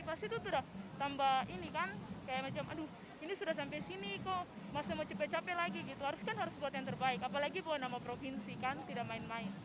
pasti tuh udah tambah ini kan kayak macam aduh ini sudah sampai sini kok masih mau capek capek lagi gitu harus kan harus buat yang terbaik apalagi buat nama provinsi kan tidak main main